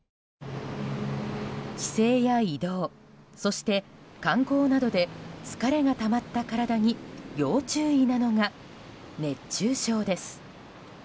帰省や移動そして、観光などで疲れがたまった体に要注意なのが熱中症です。